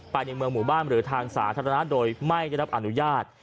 ในเมืองหมู่บ้านหรือทางสาธารณะโดยไม่ได้รับอนุญาต